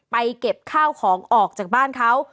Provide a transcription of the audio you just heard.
เก็บข้าวของออกจากบ้านเขา